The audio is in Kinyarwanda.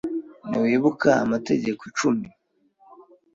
Ntiwibuka Amategeko Icumi?